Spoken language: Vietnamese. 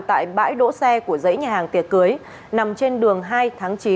tại bãi đỗ xe của dãy nhà hàng tiệc cưới nằm trên đường hai tháng chín